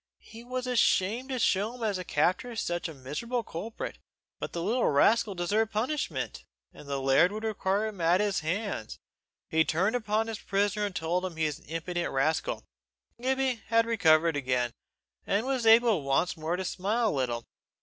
He was ashamed to show himself as the captor of such a miserable culprit, but the little rascal deserved punishment, and the laird would require him at his hands. He turned upon his prisoner and told him he was an impudent rascal. Gibbie had recovered again, and was able once more to smile a little.